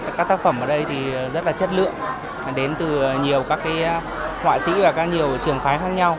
các tác phẩm ở đây thì rất là chất lượng đến từ nhiều các họa sĩ và các nhiều trường phái khác nhau